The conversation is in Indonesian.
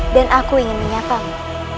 dan aku ingin menyapamu